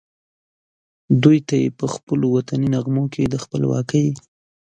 دوی ته یې پخپلو وطني نغمو کې د خپلواکۍ